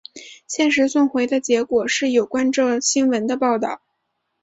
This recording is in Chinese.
现时送回的结果是有关这新闻的报道。